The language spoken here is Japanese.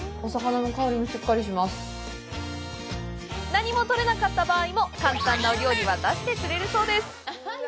何も取れなかった場合も簡単なお料理は出してくれるそうです。